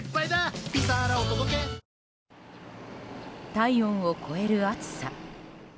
体温を超える暑さ。